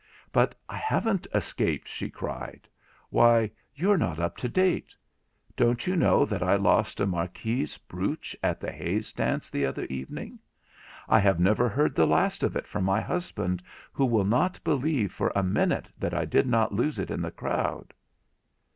'But I haven't escaped,' she cried; 'why, you're not up to date. Don't you know that I lost a marquise brooch at the Hayes's dance the other evening? I have never heard the last of it from my husband, who will not believe for a minute that I did not lose it in the crowd.'